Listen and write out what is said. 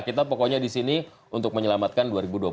kita pokoknya di sini untuk menyelamatkan dua ribu dua puluh empat